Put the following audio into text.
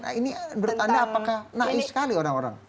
nah ini menurut anda apakah naif sekali orang orang